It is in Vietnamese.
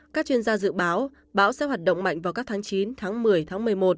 các chuyên gia dự báo bão sẽ hoạt động mạnh vào các tháng chín tháng một mươi tháng một mươi một